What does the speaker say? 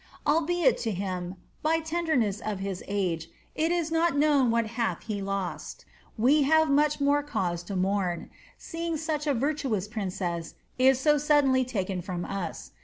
Albeit to him, by tenderness of his ige, it is not known what he hath lost, we have much more cause to mourn, seeing such a virtuous princess is so suddenly taken from us.